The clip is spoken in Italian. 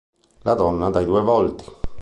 La donna dai due volti